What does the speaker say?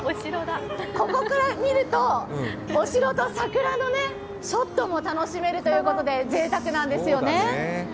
ここから見ると、お城と桜のショットも楽しめるということでぜいたくなんですよね。